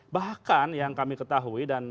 bahkan yang kami ketahui dan